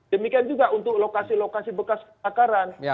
demikian juga untuk lokasi lokasi bekas kebakaran